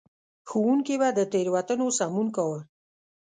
ښوونکي به د تېروتنو سمون کاوه.